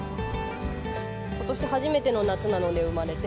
ことし初めての夏なので、生まれて。